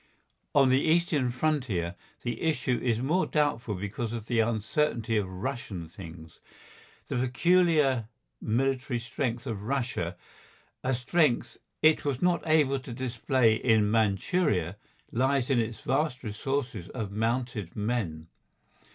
On the Eastern frontier the issue is more doubtful because of the uncertainty of Russian things. The peculiar military strength of Russia, a strength it was not able to display in Manchuria, lies in its vast resources of mounted men.